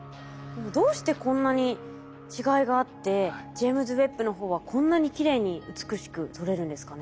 どうしてこんなに違いがあってジェイムズ・ウェッブの方はこんなにきれいに美しく撮れるんですかね？